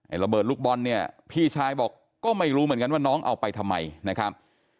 ระเบิดลูกบอลเนี่ยพี่ชายบอกก็ไม่รู้เหมือนกันว่าน้องเอาไปทำไมนะครับ